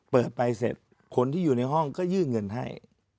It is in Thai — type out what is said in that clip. เปิดไปเสร็จคนที่อยู่ในห้องก็ยื่นเงินให้